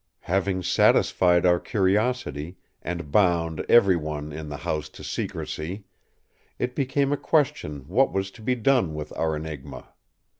Having satisfied our curiosity, and bound every one in the house to secrecy, it became a question what was to be done with our Enigma?